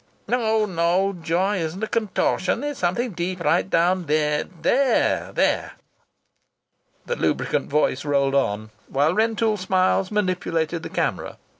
No, no! Joy isn't a contortion. It's something right deep down. There, there!" The lubricant voice rolled on while Rentoul Smiles manipulated the camera.